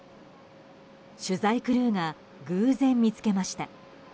取材クルーが偶然見つけました。